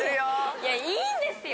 いやいいんですよ！